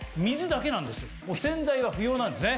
洗剤は不要なんですね。